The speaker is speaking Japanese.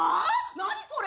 何これ！？